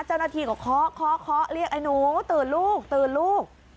เจ้าหน้าทีก็เคาะเรียกไอ้หนูตื่นลูก